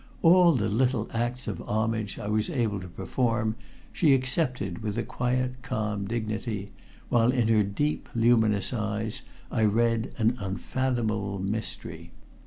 All the little acts of homage I was able to perform she accepted with a quiet, calm dignity, while in her deep luminous eyes I read an unfathomable mystery.